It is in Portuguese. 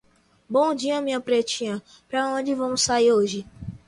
Bom dia minha pretinha, para onde vamos sair hoje?